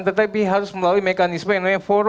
tetapi harus melalui mekanisme yang namanya empat